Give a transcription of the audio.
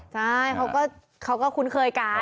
ใช่เขาก็คุ้นเคยกัน